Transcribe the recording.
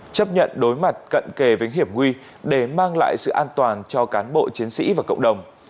chấp nhận đối mặt cận kề với hiểm nguy để mang lại sự an toàn cho cán bộ chiến sĩ và cộng đồng